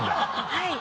はい。